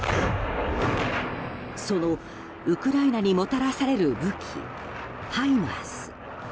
そのウクライナにもたらされる武器、ハイマース。